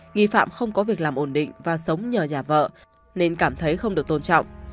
nghi phạm không có việc làm ổn định và sống nhờ nhà vợ nên cảm thấy không được tôn trọng